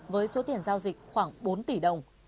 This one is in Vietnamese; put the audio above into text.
với số tiền giao dịch khoảng bốn tỷ đồng